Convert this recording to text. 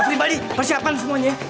oke everybody persiapkan semuanya ya